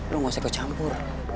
lo gak usah ke campur